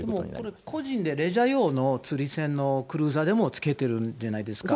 もうこれ、個人で、レジャー用の釣り船のクルーザーでもつけてるじゃないですか。